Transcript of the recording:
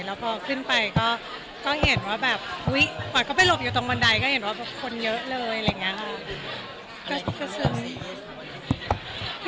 แล้วพอขึ้นไปก็เห็นว่าแบบอุ๊ยก่อนก็ไปหลบอยู่ตรงบนใดก็เห็นว่าคนเยอะเลย